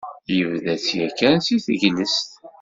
Yebda-tt yakan si teglest.